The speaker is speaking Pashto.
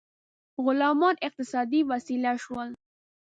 غلامان اقتصادي وسیله شول.